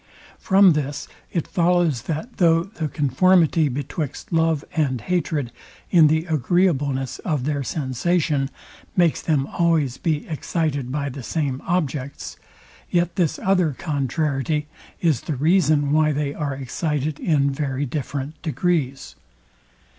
From this it follows, that though the conformity betwixt love and hatred in the agreeableness of their sensation makes them always be excited by the same objects, yet this other contrariety is the reason, why they are excited in very different degrees.